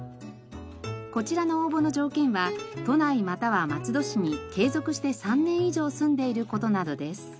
こちらの応募の条件は都内または松戸市に継続して３年以上住んでいる事などです。